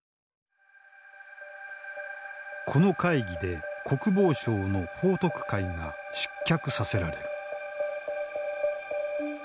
この会議で国防相の彭徳懐が失脚させられる。